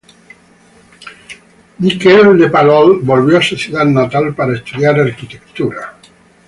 Miquel de Palol volvió a su ciudad natal para estudiar arquitectura.